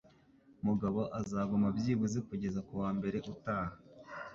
Mugabo azaguma byibuze kugeza kuwa mbere utaha.